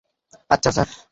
আচ্ছা, স্যার।